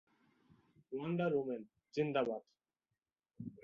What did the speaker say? Wonder Woman, জিন্দাবাদ।